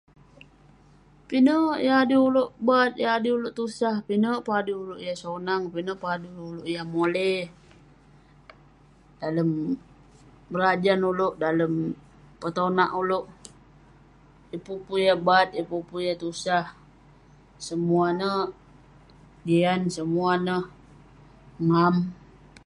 Pineh yah adui bad, yah adui ulouk yah tusah. Pinek pe adui ulouk yah sonang, pinek pe adui ulouk yah mole. Dalem berajan ulouk, dalem petonak ulouk. Yeng pun pe yah bad, yeng pun pe yah tusah. Semua ne jian. Semua ne ngam.